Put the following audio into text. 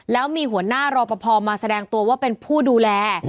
แล้วมีหัวหน้ารอปภมาแสดงตัวว่าเป็นผู้ดูแล